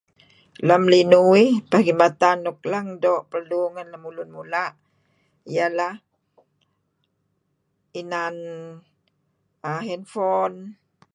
Lem linuh uih perkhidmatan luk lang doo' perlu ngan lun mula' ialah inan err handphone,